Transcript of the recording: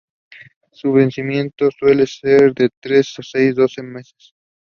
It has one entrance.